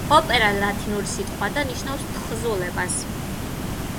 ოპერა ლათინური სიტყვაა და ნიშნავს თხზულებას.